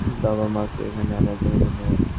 বাবা-মাকে এখানে আনার জন্য ধন্যবাদ।